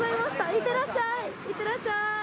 いってらっしゃい。